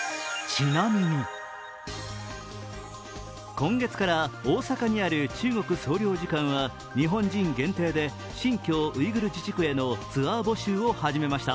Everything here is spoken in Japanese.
今月から、大阪にある中国総領事館は日本人限定で新疆ウイグル自治区へのツアー募集を始めました。